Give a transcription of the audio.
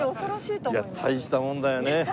いや大したもんだよね。